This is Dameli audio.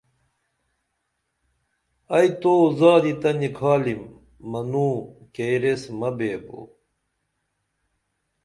ائی تو زادی تہ نِکھالیم منوں کیر ایس مہ بیبو